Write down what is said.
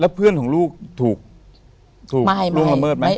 แล้วเพื่อนของลูกถูกถูกร่วมละเมิดไหม